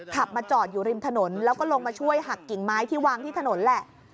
ขับมาจอดอยู่ริมถนนแล้วก็ลงมาช่วยหักกิ่งไม้ที่วางที่ถนนแหละ